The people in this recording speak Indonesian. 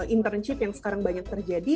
internship yang sekarang banyak terjadi